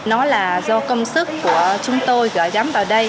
nó là do công sức của chúng tôi gửi gắm vào đây